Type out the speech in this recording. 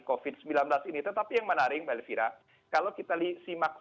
covid sembilan belas ini tetapi yang menarik mbak elvira kalau kita simak kasus pertama yang terjadi pada